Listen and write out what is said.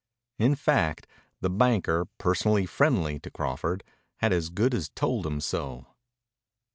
In fact the banker, personally friendly to Crawford, had as good as told him so.